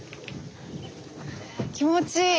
気持ちいい。